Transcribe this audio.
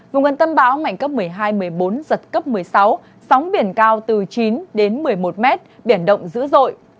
vùng gần tâm báo mạnh cấp một mươi hai một mươi bốn giật cấp một mươi sáu sóng biển cao từ chín đến một mươi một m biển động dữ dội